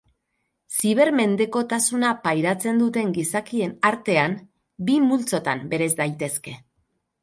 Zibermendekotasuna pairatzen duten gizakien artean, bi multzotan bereiz daitezke.